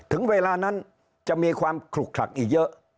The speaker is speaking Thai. ถึงเวลานั้นจะมีความขลุกขลักอีกเยอะ